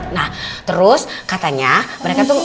nah terus katanya mereka tuh